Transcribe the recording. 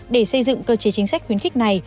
để xây dựng cơ chế chính sách khuyến khích này